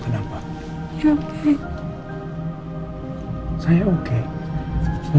udah udah ya sayang kenapa